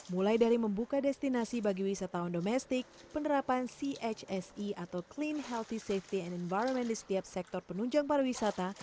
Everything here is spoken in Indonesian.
mulai dari membuka destinasi bagi wisatawan domestik penerapan chse atau clean healthy safety and environment di setiap sektor penunjang pariwisata